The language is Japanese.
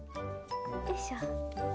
よいしょ。